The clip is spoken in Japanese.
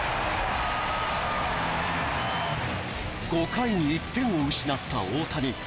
５回に１点を失った大谷。